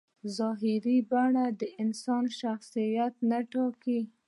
ظاهري بڼه د انسان شخصیت نه ټاکي.